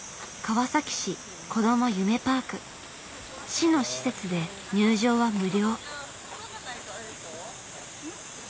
市の施設で入場は無料。